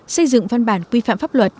xây dựng văn bản quy phạm pháp luật